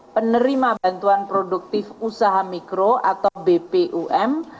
penerima bantuan produktif usaha mikro atau bpum